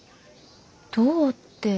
どうって。